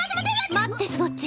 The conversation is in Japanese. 待ってそのっち。